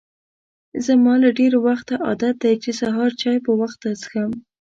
زما له ډېر وخته عادت دی چې سهار چای په وخته څښم.